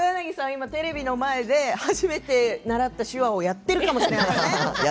今、テレビの前で初めて習った手話をやってるかもしれないですね。